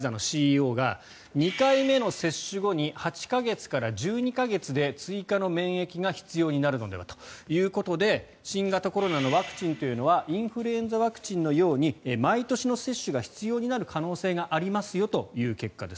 更にファイザーもこのファイザーのＣＥＯが２回目の接種後に８か月から１２か月で追加の免疫が必要になるのではということで新型コロナのワクチンというのはインフルエンザワクチンのように毎年の接種が必要になる可能性がありますという結果です。